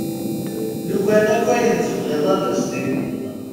Lukan akk ayen tebɣiḍ ad as-tiniḍ.